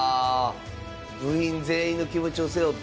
部員全員の気持ちを背負って。